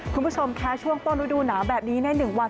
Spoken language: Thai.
คุณผู้ชมคะช่วงต้นฤดูหนาวแบบนี้ใน๑วัน